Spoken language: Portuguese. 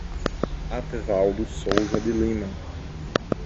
Atevaldo Souza de Lima